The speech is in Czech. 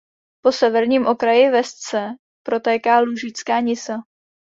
Po severním okraji Vesce protéká Lužická Nisa.